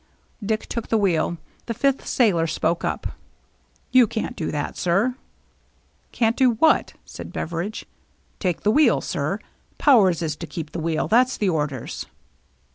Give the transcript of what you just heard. Dick took the wheel. The fifth sailor spoke up. " You can't do that, sir." " Can't do what ?" said Beveridge. "Take the wheel, sir. Powers is to keep the wheel. That's the orders."